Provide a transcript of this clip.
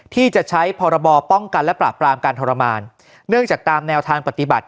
ที่จะใช้พรบป้องกันและปราบปรามการทรมานเนื่องจากตามแนวทางปฏิบัติ